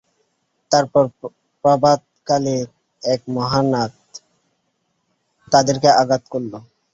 তারপর প্রভাতকালে এক মহা নাদ তাদেরকে আঘাত করল।